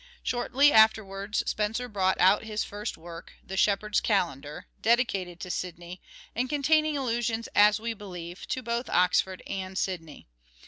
Shortly afterwards Spencer brought out his first work " The Shepherd's Calendar," dedicated to Sidney, and containing allusions, as we believe, to both Oxford and Sidney.